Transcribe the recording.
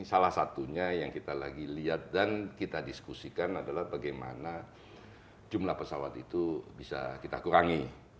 salah satunya yang kita lagi lihat dan kita diskusikan adalah bagaimana jumlah pesawat itu bisa kita kurangi